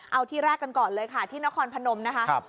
เอาที่แรกกันก่อนเลยค่ะที่นครพนมนะคะ